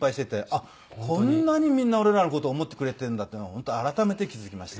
あっこんなにみんな俺らの事思ってくれているんだっていうのを本当改めて気付きました。